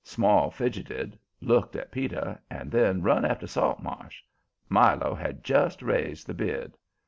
Small fidgetted, looked at Peter, and then run after Saltmarsh. Milo had just raised the bid.